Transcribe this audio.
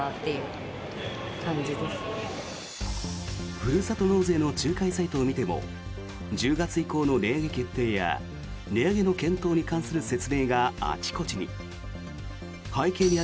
ふるさと納税の仲介サイトを見ても１０月以降の値上げ決定や検討に関する説明があちこちに。